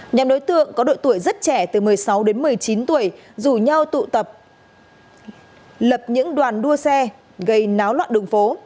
nhóm đối tượng có độ tuổi rất trẻ từ một mươi sáu đến một mươi chín tuổi rủ nhau tụ tập lập những đoàn đua xe gây náo loạn đường phố